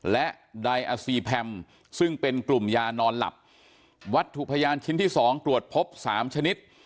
และไดอาซีแพมซึ่งเป็นกลุ่มยานอนหลับวัตถุพยานชิ้นที่สองตรวจพบสามชนิด